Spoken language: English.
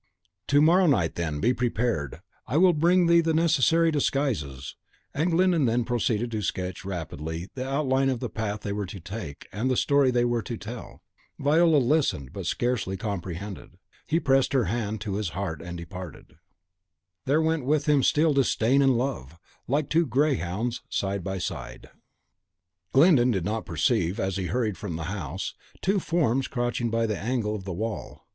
"To morrow night, then, be prepared. I will bring thee the necessary disguises." And Glyndon then proceeded to sketch rapidly the outline of the path they were to take, and the story they were to tell. Viola listened, but scarcely comprehended; he pressed her hand to his heart and departed. CHAPTER 7.V. Van seco pur anco Sdegno ed Amor, quasi due Veltri al fianco. "Ger. Lib." cant. xx. cxvii. (There went with him still Disdain and Love, like two greyhounds side by side.) Glyndon did not perceive, as he hurried from the house, two forms crouching by the angle of the wall.